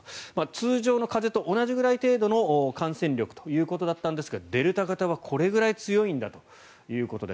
通常の風邪と同じくらいの程度の感染力ということだったんですがデルタ型はこれぐらい強いんだと。